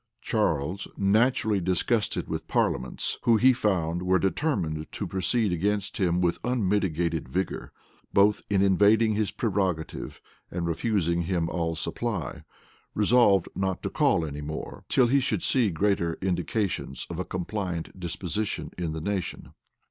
Charles naturally disgusted with parliaments, who, he found, were determined to proceed against him with unmitigated rigor, both in invading his prerogative and refusing him all supply, resolved not to call any more, till he should see greater indications of a compliant disposition in the nation.